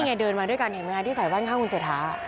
เดินมาด้วยกันเห็นไหมคะที่ใส่บ้านข้างคุณเศรษฐา